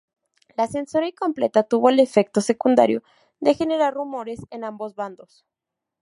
La censura incompleta tuvo el efecto secundario de generar rumores en ambos bandos.